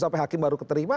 sampai hakim baru keterima